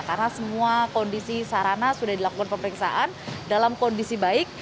karena semua kondisi sarana sudah dilakukan pemeriksaan dalam kondisi baik